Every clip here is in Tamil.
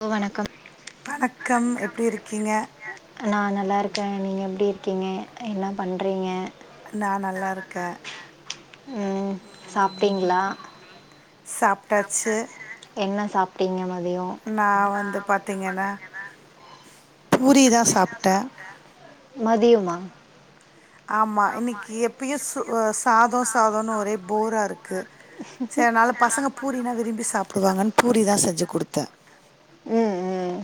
ஹலோ வணக்கம் வணக்கம் எப்டி இருக்கீங்க நா நல்லாருக்கே நீங்க எப்டி இருக்கீங்க என்ன பண்றீங்க நா நல்லா இருக்க ம் ம் சாப்பிட்டீங்களா சாப்ட்டாச்சு என்ன சாப்ட்டீங்க மதியோ நா வந்து பாத்தீங்கனா புரிதா சொ மதியமா ஆமா இன்னிக்கு எப்பயு சு சாத சாதனு ஒரே போரா இருக்கு சே அதனால பசங்க பூரினா விரும்பி சாப்டுவாங்கன் பூரி தா செஞ்சி குடுத்தே ம் ம்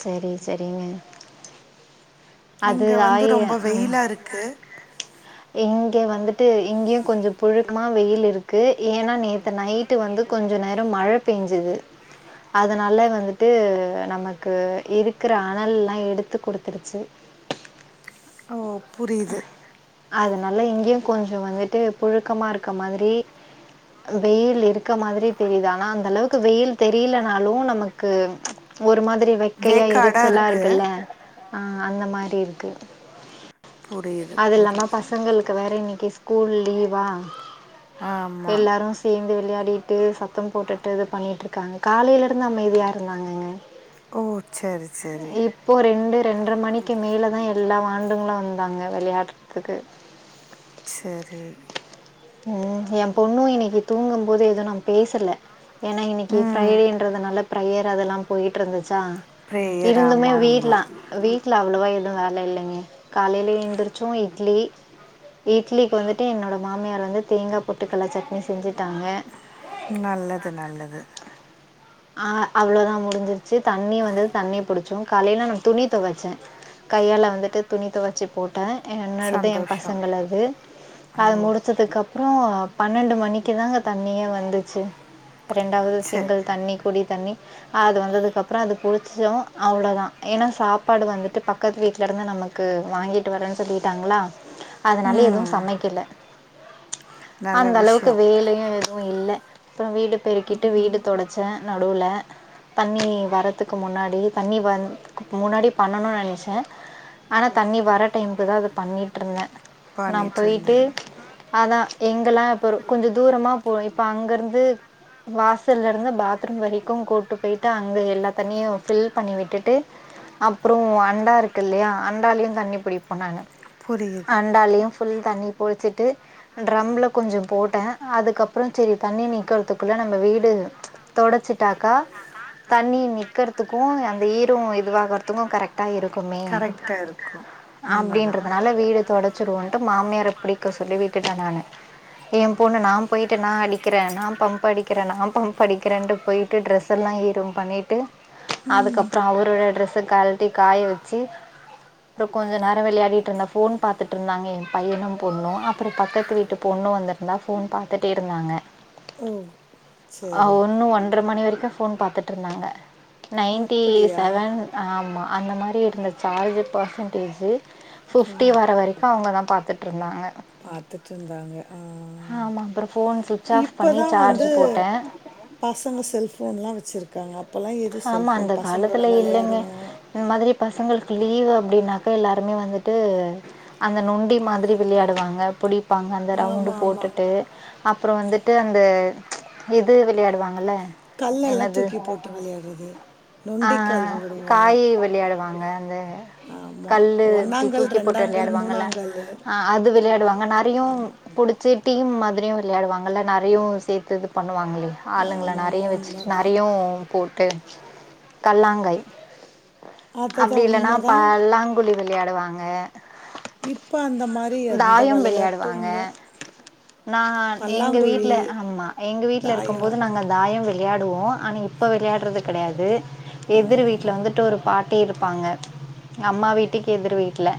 சரி சரிங்க அது இங்க வந்து ஆயி ரொம்ப வெயிலா இருக்கு இங்க வந்துட்டு இங்கயு கொஞ்சோ புழுக்கமா வெயில் இருக்கு ஏனா நேத்து நைட் ட்டு வந்து கொஞ்ச நேர மழ பேஞ்சது அதனால வந்துட்டு நமக்கு இருக்குற அனல்லா எடுத்து குடுத்ருச்சி ஓ புரிது அதனால இங்கயு‌ கொஞ்சோ வந்துட்டு புழுக்கமா இருக்க மாதிரி வெயில் இருக்க மாதிரி தெரிது ஆனா அந்த அளவுக்கு வெயில் தெரிலனாலு நமக்கு ஒரு மாதிரி வெக்கயா வேக்காடாக எரிச்சலா இருக்கில்ல இருக்குது ஆ அந்த மாரி இருக்கு புரியுது அது இல்லாம புரியுது பசங்களுக்கு வேற இன்னிக்கு ஸ்கூல் லீவா ஆமாம் எல்லாரு தேந்து விளையாடிட்டு சத்தம் போட்டுட்டு இது பண்ணிட்ருக்காங்க காலைல இருந்து அமைதியா இருந்தாங்கக ஓ சரி சரி இப்போ ரெண்டு ரெண்ட்ர மணிக்கு மேல தா எல்லா வாண்டுங்களு வந் தாங்க வெளயாட்றதுக்கு சரி ம் ஏ பொண்ணு இன்னிக்கு தூங்கம் போது எது நா பேசல ஏனா இன்னக்கி ம் ஃப்ரைடேன்றதுனால ப்ரையர் அதெல்லா போயிட்ருந்துச்சா ப்ரேயர் இருந்துமே ஆமாம் உண்மை வீட்லா வீட்ல அவ்ளவா எது வேல இல்லைங்க காலைல ஏந்துருச்சோ இட்லி இட்லிக்கு வந்துட்டு என்னோட மாமியார் வந்து தேங்கா பொட்டுக்கல்ல சட்னி செஞ்சுட்டாங்க நல்லது நல்லது ஆ அவ்ளோதா முடிஞ்சிருச்சி தண்ணி வந்தது தண்ணிய புடிச்சோ காலைல நா துணி தொவச்சே கையால வந்துட்டு துணி தொவச்சி போட்டே என்னோடது ஏ சந்தோஷம் பசங்களது அது ஓ முடிச்சதுக்கப் ப்றோ பன்னெண்டு மணிக்கு தாங்க தண்ணியே வந்துச்சு ரெண்டாவது சரி சிங்கிள் தண்ணி குடி தண்ணி அது வந்ததுக்கப்றோ அது புடிச்சோ அவ்ளோதா ஏனா சாப்பாடு வந்துட்டு பக் பக்கத்து வீட்ல இருந்து நமக்கு வாங்கிட்டு வர்ரேன்னு சொல்லிட்டாங்களா அதனால எதுவு ம் சமைக்கில நல்ல அந்த அளவுக்கு விஷயம் வேலையு யு இல்ல அப்றோ வீடு பெருக்கிட்டு வீடு தொடச்சே நடுவுல தண்ணி வரதுக்கு முன்னாடி தண்ணி வந் முன்னாடி பண்ணனு நெனச்சே ஆனா தண்ணி வர டைமுக்கு தா அத பண்ணிட்ருந்தே நா பண்ணிட்டு பொய்ட்டு இருந்தீங்க அதா எங்கெல்லா இப்ப ஒரு கொஞ்ச தூரமா போய் இப்போ அங்க இருந்து வாசல்ல இருந்து பாத் பாத்ரூம் வரிக்கும் கொண்டு போயிட்டா அங்க எல்லாத்தண்ணியும் ஃபில் பண்ணி விட்டுட்டு அப்புறொ அண்டா இருக்கு இல்லையா அண்டாலயும் தண்ணி புடிப்போ நாங்க புரியுது அண்டாலயு ஃபுல் தண்ணி புடுச்சுட்டு ட்ரம்ல கொஞ்சோ போட்டே அதுக்கப்றோ செரி தண்ணி நீக்கற்துக்குள்ள நம்ம வீடு தொடச்சுட்டாக்கா தண்ணி நிக்றதுக்கு அந்த ஈரம் இதுவாகறதுக்கு கரெக்ட் கரட்டா இருக்குமே கரெக்டாக இருக்கும் உண்மைதான் அப்டின்றதுனால வீடு தொடச் வச்சுடுவன்ட்டு மாமியார புடிக்க சொல்லி வீட்டுட்ட நானு ஏம் பொண்ணு நா போயிட்டு நா அடிக்கிறே நா பம்ப் அடிக்கிறே நா பம்ப் அடிக் கிரேண்டு பொயிட்டு ட்ரெஸ்ஸெல்லா ஈரம் பண்ணீட்டு ம் அதுக்கப்றோ அவரோட ட்ரெஸ்ஸ கல்ட்டி காய வச்சு அப்றோ கொஞ்ச நேரோ விளையாடிகிட்ருந்தா ஃபோன் பாத்துட்ருந்தாங்க ஏ பையனும் பொண்ணு அப்டி பக்கத்து வீட்டு பொண்ணு வந்துட் நல்லா ஃபோன் பாத்துட்டே இருந்தாங்க ஓ ஆ சரி ஒன்று ஒன்றர மணி வரைக்கு ஃபோன் பாத்துட்ருந்தாங்க நைன்ட்டி அப்படியா செவன் ஆ ஆமாம் அந்த மாரி இருந்த சார்ஜ் பர்சன்டேஜு ஓ பிஃப்டி வர வரைக் அவுங்க தா பாத்துட்ருந்தாங்க பாத்துட்ருந்தாங்க ஆ ஆமா. அப்புறம் ஃபோன் ஸ்விட்ச் ஆஃப் பண்ணி இப்பதா சார்ஜ் வந்து போட்டேன். பசங்க செல்ஃபோன்லா வச்சுருக்காங்க அப்பலா எது செல்ஃபோன் பசங்களோட வெளையாடணும் இது மாதிரி பசங்களுக்கு லீவு அப்டின்னாக்க எல்லாருமே வந்துட்டு அந்த நொண்டி மாதிரி விளையாடுவாங்க புடிப்பாங்க அந்த ரவுண்டு ஆமாம் ஆமாம் போட்டுட்டு அப்புற வந்துட்டு அந்த இது விளையாடுவாங்கல்ல கல்லெல்லா என்னது? தூக்கி போட்டு விளையாட்றது ஆ ஆ காயி விளையாடுவாங்க அந்த ஆமா கல்லு இப்டி ஒன்னாங்கல் தூக்கி போட்டு ரெண்டாங்கல் விளையாடுவாங்கல்ல மூணாங்கல்லு ஆ அது விளையாடுவாங்க நறையு புடிச்சு டீம் மாதிரியு விளையாடுவாங்கல்ல நெறையு சேத்து இது பண்ணுவாங்லே ஆளுங்கள ஆமாமா நெறையு வச்சுட்டு உண்மதா நெறையாவு போட்டு கல்லாங்காய் அதுதா அப்டி இல்லன்னா உண்மதா பல்லாங்குழி விளையாடுவாங்க இப்ப அந்த மாரி எந்த தாயம் வெளையாட்டு விளையாடுவாங்க இல்ல நான் எங்க பல்லாங்குழி வீட்ல ஆமா எங்க வீட்ல இருக்கும் தாயோ போது நாங்க தாயம் விளையாடுவோ ஆனா இப்ப விளையாடுறது கெடையாது ஆ எதிர் வீட்ல வந்துட்டு ஒரு பாட்டி இருப்பாங்க எங்க அம்மா வீட்டுக்கு எதிர் வீட்ல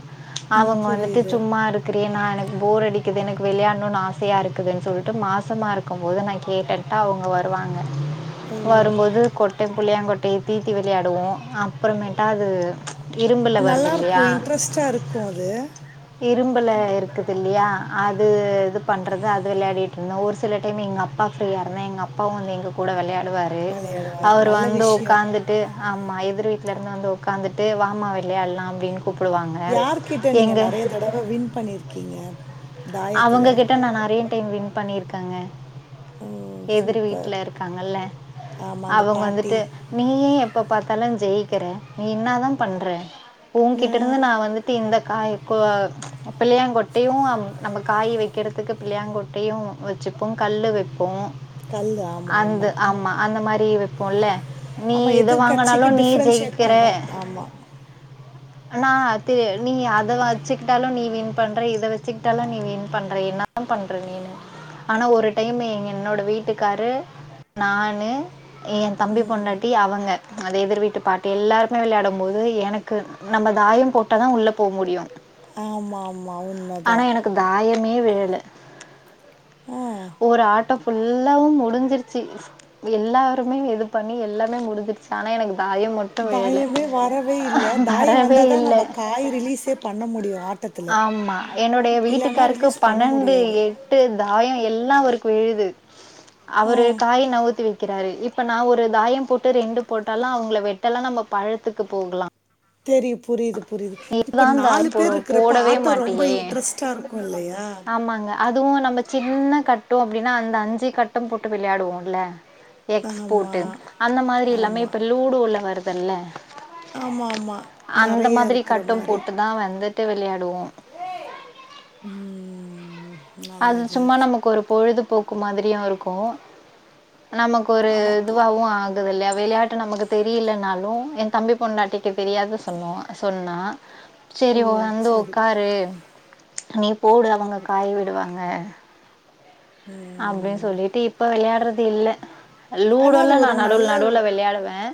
ம் அவுங்க வந்துட்டு புரியுது சும்மா க்குறியே நா எனக்கு ஃபோர் அடிக்குது எனக்கு விளையாண்டுனு ஆசையா இருக்குதுன்னு சொல்ட்டு மாசமா இருக் இருக்கும்போது நா கேட்டுட்டா அவுங்க வருவாங்க ஓ வரும்போது கொட்ட புள்ளியாங் கொட்டைய தீத்தி விளையாடுவோ அப்றம்மேட்டா அது இரும்புல வருது நல்லாருக்கும் இன்ட்ரெஸ்ட்டா இருக்கும் அது இரும் புல்ல இருக்குது இல்லையா அது இது பண்றது அது விளையாடிட்ருந்தோ ஒரு சில டைம் எங்க அப்பா ஃப்ரீயா இருந்தா எங்க அப்பாவு வந்து எங்க கூட விளையாடுவாரு வெளையாடுவாரு அவர் நல்ல வந்து விஷ்யோ உக்காந்துட்டு ஆமா எதிர் வீட்ல இருந்து வந்து உக்காந்துட்டு வாம்மா விளையாட்லாம் அப்டின் கூப்புடுவாங்க ஏங்க தடவை வின் பண்ணிருக்கீங்க அவங்க தாயத்துல கிட்ட நா நறைய டைம் வின் பண்ணிருக்கேங்க ஓ எதிர் சூப்பர் வீட்ல இருக்காங்கல்ல ஆமா அந்த அவுங்க பாட்டி வந்துட்டு நீயே எப்ப பாத்தாலு ஜெயிக்கிற நீ இன்னா தா பண்ற ஆ ஓங்கிட்ட இருந்துதா நா வந்துட் தி இந்த காய் இப்ப புள்ளையாங்கொட்டையு நம்ம காய் வைக்கிறதுக்கு பிள்ளையங்கொட்டையும் வச்சுப்போம் கல்லு வப்போம் கல்லு ஆமா அந்த ஆமா அந்த மாரி வெப்போ இல்ல நீ இத வாங்கனாலு நீ ஜெயிக் பண்றம் ஆமா நா தெ நீங்க அத வச்சுக்ட்டாலு நீ வின் பண்ற இத வச்சுக் ட்டலா நீ வின் பண்ற என்னாதாம் பண்ற நீனு ஆனா ஒரு டைம் என் என்னோட வீட்டுக்காரு நானு எந் தம்பி பொண்டாட்டி அவங்க அந்த எதிர் வீட்டு பாட்டி எல்லாருமே வெளையாடும் போது எனக்கு நம்ம தாயம் போட்டாதா உள்ள போமுடியு ஆமா ஆமா உன் ஆனா எனக்கு தாயமே விழல ஆ ஒரு ஆட்டோ புல்லாவும் முடிஞ்சிருச்சி எல்லாருமே இதுப் பண்ணி எல்லாமே முடிஞ்சுருச்சு ஆனா எனக்கு தாயம் மட் தாயமே வரவே இல்ல தாயோ வரவே வந்தாதா இல்ல. நம்பக காய ரிலீஸே பண்ண முடியு ஆட்டத்துல அம்மா என்னுடைய வீட்டுக்காருக்கு பன்னெண்டு முடியாது எக் ட்டு தாயம் எல்லாம் அவருக்கு விழுது ஆ அவரு காய நவுத்தி வைக்கிறாரு இப் இப்ப நா ஒரு தாயம் போட்டு ரெண்டு போட்டாலு அவுங்ள வெட்டலா நம்ம பழத்துக்கு போகலா தெரி புரிது புரிது இப்ப தான் நாலு தாயம் போடுவ. பேர்ருக்கறப்ப போடவே ஆட்டோ ரொம் ரொம்ப மாட்டியே!" இன்ட்ரெஸ்ட்டா இருக்கு இல்லையா அதுவு நம்ம சின்ன கட்டோ அப்டினா அந்த அஞ்சி கட்டம் போட்டு விளையாடுவோ இல்ல எக்ஸ் போட்டு ஆமாம் அந்த மாதிரி எல்லாமே ஆமாம் இப்போ லூடோவ்ல வருதுல ஆமாம் ஆமாம் அந்த நிறைய மாதிரி இருக்கிற கட்டம் மாதிரி போட்டு தான் வந்துட்டு வெளையாடுவோம் ம் அது நல்லது சும்மா நமக்கு ஒரு பொழுதுபோக்கு மாதிரியு இருக்கு நமக்கு ஒரு ஆமாம் இதுவாவு ஆக் இந்த வெள்யா வெளையாட்டு நமக்கு தெரியிலனாலு எந் தம்பி பொண்டாட்டிக்கு தெரியாத சொன்னோ சொன்னா ம் சேரி ஓ வந்து ஒக்காரு நீ போடு அவங்க காய் விடுவாங்க அப்டின் ம் சொல்லிட்டு இப்ப வெளையாட்றது இல்ல ஆனா அது லூடோல்லா நா ஒரு நடுவுல நல்ல நடுவுல வெளையாடுவேன்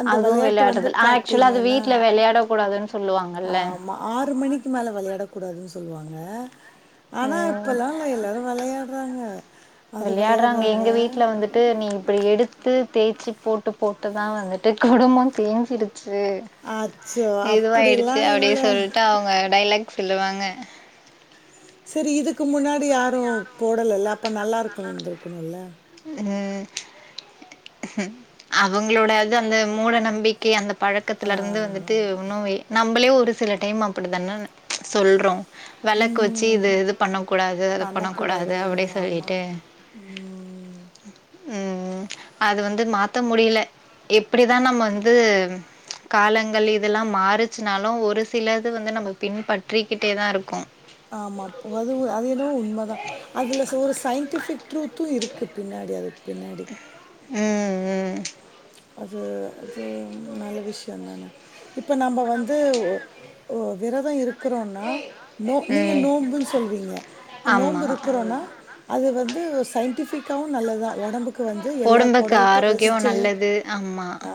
அந்த அதுவு வெளையாட்டு வந்து வெளையாட்றதுல் ஆக்சுவலா அது பாத்தீங்கன்னா வீட்ல வெளையாடக் கூடாதுன் சொல்லுவாங்கல்ல ஆமா ஆறு மணிக்கு மேல வெளையாடக்கூடாதுன் சொல்லுவாங்க ஆனா ம். இப்போல்லாம் எல்லா எல்லாரும் வெளையா ராங்கே விளையாட்றாங்க எங்க வீட்ல வந்துட் ட்டு நீ இப்டி எடுத்து தேச்சிப் போட்டுப் போட்டுதா வந்துட்டு குடும்பந் தேஞ்சிடுச்சு அச்சோ அப்டிலா இதுவாயிடுச்சு அப்டி இல்ல சொல்ட்டு அவுங்க டைலாக் சொல்லுவாங்க செரி இதுக்கு முன்னாடி யாரு போடல இல்ல அப்ப நல்லாருக்குந்துருக்குனுல்ல அ அவங்ளோட அது அந்த மூட நம்பிக்கை அந்தப் பழக்கத்லருந்து வந்துட்டு ஆமாமா உன்னு வெ நம்பளே ஒரு சில டைம் அப்டிதானே சொல்றோ வெளக்கு வச்சி ம் இது இது பண்ண கூடாது அத பண்ண கூடாது பண்ணக்கூடாது அப்டி ஆமா சொல்லிட்டு ம் ம் அது வந்து மாத்த முடில எப்டிதா நம்ம வந்து காலங்கள் இதெல்லாம் மாறுச்சுனாலு ஒரு சிலது வந்து நம்ம பின்பற்றிகிட்டேதா இருக்கு ஆமாப்ப அதுவு அது என்னவோ உண்மதா அதுலசோ ஒரு சயின்டிஃபிக் ட்ரூத்து இருக் க்கு பின்னாடி அதுக் பின்னாடி ம் ம் அது அது நல்ல விஷ்யந்தான இப்ப நம்ப வந்து ஒ ஒ விரதோ இருக் க்றோனா நோ நீங்க ம் நோபுன்னு சொல்லுவீங்க இப்ப ஆமா. நோன்பு இருக்கிறோனா அது வந்து சயின்டிஃபிக்காவு நல்லதா உடம்புக்கு வந்து எல்லா ஒடம்புக்கு கொடலுக்கு ஆரோக்கியோ ரெஸ்ட்டு நல்லது ஆமா ஆ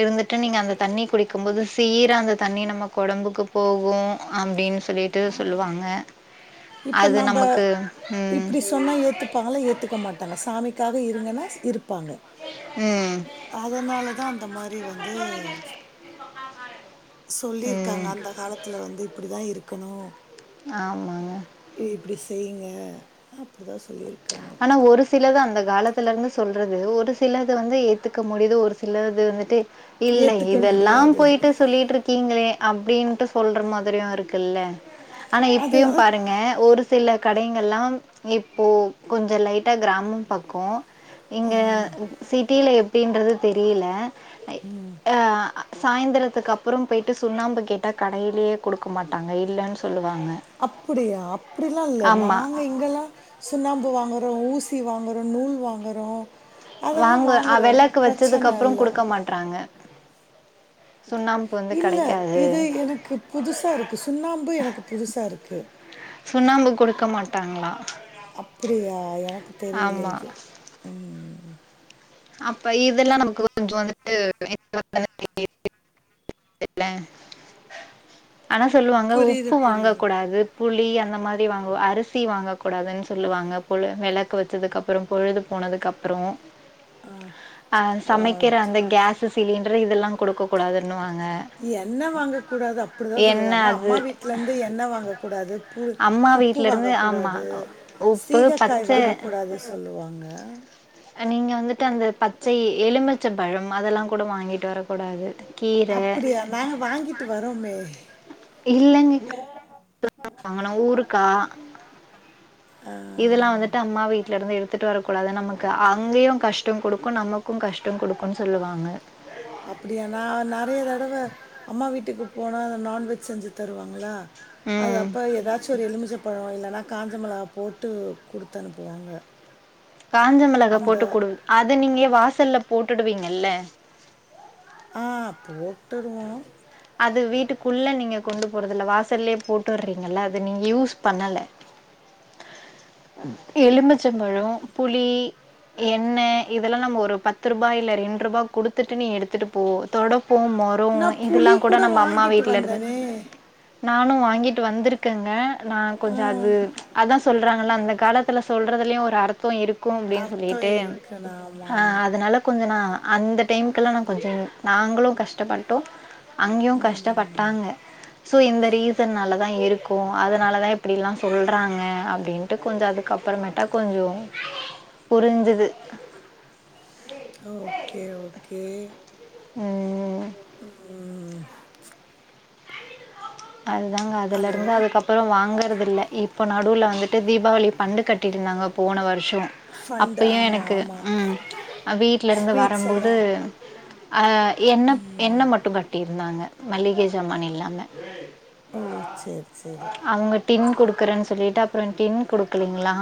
இருந்துட்டு நீங்க அந்த தண்ணி குடி க்கும் போது சீரா அந்த தண்ணி நம்ம கொடம்புக்கு போகூ அப்டின்னு சொல்லிட்டு சொல்லுவாங்க இப்ப அது நம்ப நமக்கு ம் இப்டி சொன்னா ஏத்துப்பாங்கள ஏத்துக்க மாட்டாங்க சாமிக்காக இருங்கன்னா இருப்பாங்க ம் அதனாலதா அந்த மாரி வந்து சொல்லிருக்காங்க ம் அந்த காலத்துல வந்து இப்டி தா இருக்கணு ஆமாங்க இப்டி செய்ங்க அப்டி தா சொல்லியி ஆனா ஒரு சிலத அந்த காலத்துலருந்து சொல்றது ஒரு சிலது வந்து ஏத்துக்க முடியுது ஒரு சிலது வந்துட்டு இல்ல ஏத்துக்க இதெல்லா முடியாதது போயிட்டு சொல்லிட்ருக்கு க்கீங்களே அப்டின்ட்டு சொல்ற மாதிரியு இருக்குல்ல ஆனா அது இப்பயு பாருங்க ஒரு சில கடைங்கல்லாம் இப்போ கொஞ்ஜோ லைட்டா கிராமம் பக்கோ இங்க சிட்டில எப்டின்றது தெரியில சாய்ந்தரத்துக்கு அப்புறம் போய்ட்டு சுண்ணாம்பு கேட்டா கடையிலேயே குடுக்க மாட்டாங்க இல்லன் சொல்லுவாங்க அப்புடியா அப்புடிலா இல்ல ஆமா. நாங்க இங்கெல்லா சுண்ணாம்பு வாங்குறோ ஊசி வாங்குறோ நூல் வாங்குறோ அதெல்லா வாங்க அ வாங்குறோ வெளக்கு வச்சதுக்கு பிரச்சன அப்புறோ இல்ல குடுக்க மாட்றாங்க சுண்ணாம்பு வந்து இல்ல கெடைக்காது இது எனக்கு புதுசாக இருக்கு சுண்ணாம்பு எனக்கு புதுசாருக்கு சுண்ணாம்பு குடுக்க மாட்டாங்களா அப்புடியா எனக்கு தெரியில ஆமா இது ம் அப்ப இதெல்லா நமக்கு கொஞ்சொ வந்துட்டு [inaudible] [unintelligible] ஆனா சொல்லுவாங்க புரியுது உப்பு வாங்க புரியுது கூடாது புளி அந்த மாரி வாங்க அரிசி வாங்கக்க கூடாதுன் சொல்லுவாங்க புல வெளக்கு வெச்சதுக்கப் அப்பறோ பொழுது போனதுக்கப்புறோ ஆ அ ஆ சமைக்கிற அந்த கேஸ்சு சிலிண்டரு இதெல்லா கொடுக்க கூடாதுன்னுவாங்க எண்ண வாங்க கூடாது அப்டிதா என்ன சொல்லுவாங்க அது அம்மா வீட்லந்து எண்ண வாங்க கூடாது பு அம்மா உப்பு வீட்ல இருந்து ஆமா வாங்கக்கூடாது உப்பு சீகக்காய் பச்ச வாங்கக்கூடாது சொல்லுவாங்க நீங்க வந்துட்டு அந்த பச்சை எலுமிச்சம் பழம் அதெல்லாங் கூட வாங்கிட்டு வர கூடாது கீர அப்டியா நாங்க வாங்கிட்டு வரோமே இல்லைங்க [inaudible] வாங்கனு ஊருகா ஆ இதெல்லா வந்துட்டு அம்மா வீட்டு்ல இருந்து எடுத்துட்டு வரக்கூடாது நமக்கு அங்கேயு கஷ்டொங் கொடுக்கூ நமக் க்கூ கஷ்டோங் கொடுக்குன்னு சொல்லுவாங்க அப்புடியா நா நறைய தடவ அம்மா வீட்டுக்கு போனா நான்வெஜ் செஞ்சு தருவாங்களா அது ம் அப்ப எதாச்சு ஒரு எலுமிச்ச பழொ இல்லைன்னா காஞ்சமெளகா போட்டு குடுத்து அனுப்புவாங்க காஞ்சமெளகா அந்த போட்டு கொடு அத நீங்க வாசல்ல போட்டுடுவீங்கல்ல ஆ போட்டுருவோ அது வீட்டுக்குள்ள நீங்க கொண்டு போறதில்ல வாசல்லயே போட்டுறீங்கள அது நீங்க யூஸ் பண்ணல எலும்பிச்சம்பழொ புளி எண்ணெ இதெல்லா நம்ம ஒரு பத்து ரூபாய் இல்ல ரெண்டு ரூபா குடுத்துட்டு நீ எடுத்துட்டு போ தொடபோம் மரு நா புளி இதல்லான் கூட நம்ம அம்மா வாங்கிட்டு வீட்லருந்து வந்தனே நானு வாங்கிட் வந்துரேக்கெங்க நா ஆ கொஞ்சு அது அதா சொல்றாங்கள அந்த காலத்துல சொல்றதுல்யு ஒரு அர்த்தோ இருக் கு அப்டின்னு அர்த்தோ சொல்லிட்டு இருக்குண்ணா ஆமா ஆ ஆமா அதனாலப் கொஞ்ச நா அந்த டைமுகெல்லா நா கொஞ்ச நாங்களு கஷ்டப்பட்டோ அங்யு கஷ்டப்பட்டாங்க சோ இந்த ரீசன் நாலதா இருக்கு போ அதனால தா இப்படிலா சொல்றாங்க அப்படின்ட்டு கொஞ்ச அதுக்கப்பறமேட்டா கொஞ்சு புரிஞ்சது ஓகே ஓகே ம் ம் அதுதாங்க ஹலோ அதலருந்து அதுக்கப்பறோ வாங்கறதில்ல இப் போ நடுவ்ல வந்துட்டு தீபாவளி பண்டு கட்டிட்ருந்தாங்க போன வருஷோ ஃபண்டு அப்பயு ஆமா எனக்கு ஆமா ம் அ வீட்டுலருந்து ஸ்வீட்ஸ் வரும்போது எல்லா அ என்னப் என்ன மட்டு பர் இருந்தாங்க மல்லிகைசமான் இல்லாம ஓ சேரி சேரி அவ்கேட் டின் குடுக்கறன் சொல்லிட்டு அப்ற டின் குடுக்கலீங்ளா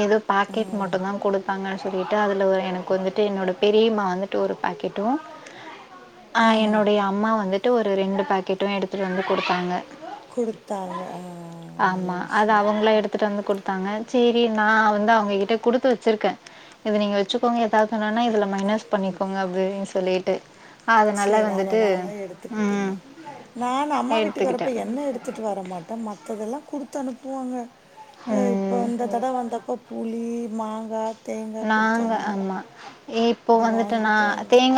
ஏதோ ஆ பாக்கெட் மட்டுதா குடுத் ப்பாங்கு சொல்லிட்டு அதுல உ எனக் வந்துட்டு என்னோட பெரியம்மா வந்துட்டு ஒரு பாக்கெட்டு அ என்னுடைய அம்மா வந்துட்டு ஒரு ரெண்டு பாக்கெட்டும் எடுத்துட்டு வந்து குடுத்தாங்க குடுத்தாங்க ஆ நல்ல ஆமா அது விஷ்யோ அவுங்கள எடுத்துட்டு வந்து குட் தாங்க ச்சேரி நா வந்து அவங்ககிட்ட குடுத்து வச்சிர்க்கே இது நீங்க வச்சுக்கோங்க ஏதாவுது ஒன்னுனா இதுல மைனஸ் பண்ணிக்கோங்க அப்டின்னு சொல்லிட்டு அதனால சரி வந்துட்டு அதனால எடுத்துக்குட்டீங்க ம். நான் அம்மா வீட்டுக்கு வரப்ப எடுத்துக்கிட்டேன். என் என்ன எடுத்துட்டு வர மாட்டா மத்ததெல்லா குடுத் அனுப்புவாங்க ஆ இப்ப ம். இந்த தடவ வந்தப்ப புளி மாங்கா தேங்கா நாங்க குடுத்தாங்க ஆமா. இப்போ அது வந்துட்டு வாங்கிட்டு நான் வந்தோ தேங்கா